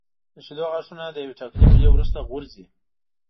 د شېدو غاښونه له یوې ټاکلې مودې وروسته غورځي.